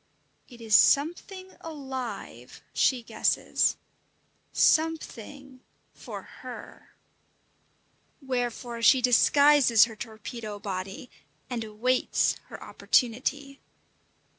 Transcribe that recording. It is something alive, she guesses something for her! Wherefore she disguises her torpedo body, and awaits her opportunity.